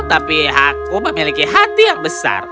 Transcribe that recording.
tapi aku memiliki hati yang besar